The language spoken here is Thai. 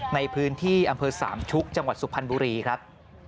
ในพื้นที่อำเภอสามชุกจังหวัดสุพรรณบุรีครับ